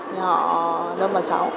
thì họ nôn vào cháu